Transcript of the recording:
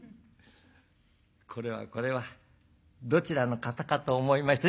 「これはこれはどちらの方かと思いまして」。